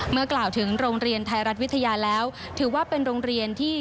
กล่าวถึงโรงเรียนไทยรัฐวิทยาแล้วถือว่าเป็นโรงเรียนที่